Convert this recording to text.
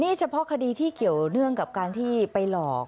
นี่เฉพาะคดีที่เกี่ยวเนื่องกับการที่ไปหลอก